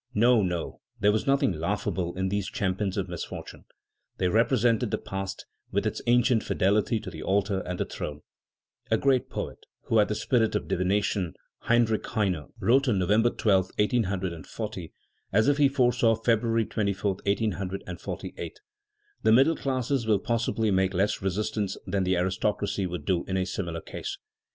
No, no; there was nothing laughable in these champions of misfortune. They represented the past, with its ancient fidelity to the altar and the throne. A great poet who had the spirit of divination, Heinrich Heine, wrote on November 12, 1840, as if he foresaw February 24, 1848: "The middle classes will possibly make less resistance than the aristocracy would do in a similar case.